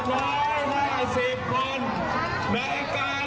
ในการเลือกนายุพระธรรมดีคนต่อไป